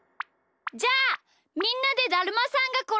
じゃあみんなでだるまさんがころんだをしよう！